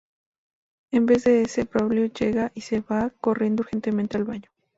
En vez de eso, Braulio llega y se va corriendo urgentemente al baño.